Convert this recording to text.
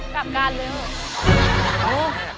กราบกรานเร็ว